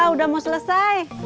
udah mau selesai